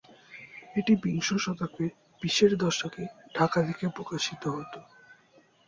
এটি বিংশ শতকের বিশের দশকে ঢাকা থেকে প্রকাশিত হত।